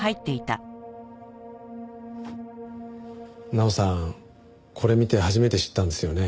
奈央さんこれ見て初めて知ったんですよね。